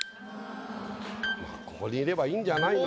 まぁここにいればいいんじゃないの？